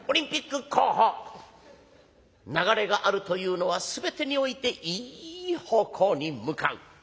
流れがあるというのは全てにおいていい方向に向かう。